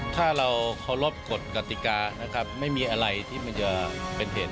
ถ้าเราเคารพกฎกติกานะครับไม่มีอะไรที่มันจะเป็นเหตุ